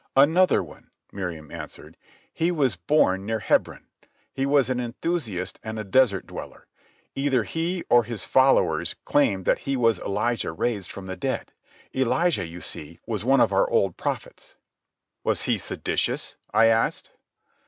"Another one," Miriam answered. "He was born near Hebron. He was an enthusiast and a desert dweller. Either he or his followers claimed that he was Elijah raised from the dead. Elijah, you see, was one of our old prophets." "Was he seditious?" I asked.